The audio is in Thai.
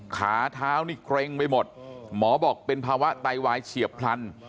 ขาเท้านี่เกร็งไปหมดหมอบอกเป็นภาวะไตวายเฉียบพลัน